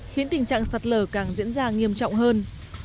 khiến tình trạng sạt lở càng diễn ra nghiêm trọng hơn